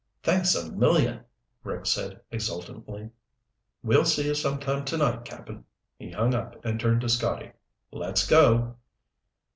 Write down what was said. "Thanks a million," Rick said exultantly. "We'll see you sometime tonight, Cap'n." He hung up and turned to Scotty. "Let's go!"